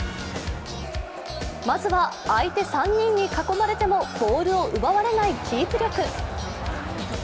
まずは相手３人に囲まれてもボールを奪われないキープ力。